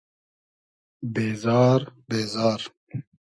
بېزار بېزار